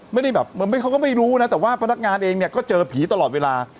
ไม่ได้แบบเขาก็ไม่รู้นะแต่ว่าพนักงานเองเนี่ยก็เจอผีตลอดเวลา